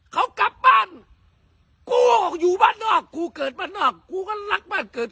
เขากลับบ้านกูอยู่บ้านนอกกูเกิดบ้านนอกกูก็รักบ้านเกิด